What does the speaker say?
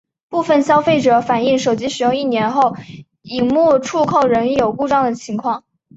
部份消费者反应手机使用一年后萤幕触控容易有故障的情况。